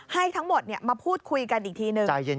ให้ทั้งหมดมาพูดคุยกันอีกทีหนึ่ง